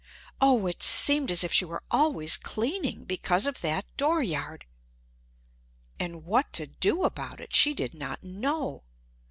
Oh, it seemed as if she were always cleaning because of that dooryard! And what to do about it she did not know.